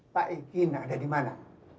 pak ipin ada dimana